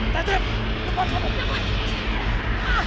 jangan lupa untuk berlangganan